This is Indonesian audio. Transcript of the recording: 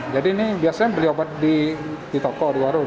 jadi ini biasanya beli obat di toko di warung